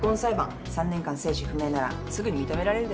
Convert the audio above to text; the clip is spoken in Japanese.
３年間生死不明ならすぐに認められるでしょ。